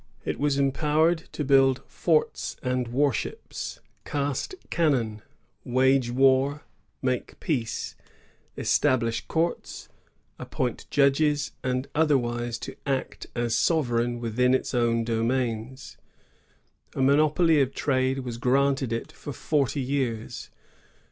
It was empowered to build forts and warnships, cast cannon, wage war, make peace^ establish courts, appoint judges, and otherwise to act as sovereign within its own domains. A monopoly of trade was granted it for forty years.